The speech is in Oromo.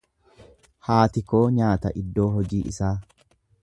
Haati koo nyaata iddoo hojii isaa.